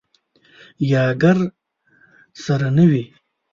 یا ګرد سره نه وي.